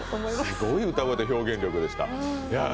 すごい歌声と表現力でした。